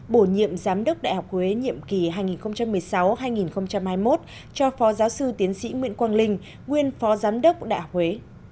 bổ nhiệm giám đốc đại học huế nhiệm kỳ hai nghìn một mươi sáu hai nghìn hai mươi một cho phó giáo sư tiến sĩ nguyễn quang linh nguyên phó giám đốc đại học huế